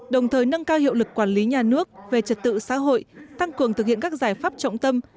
đồng thời nâng cao hiệu lực quản lý nhà nước về trật tự xã hội tăng cường thực hiện các giải pháp trọng tâm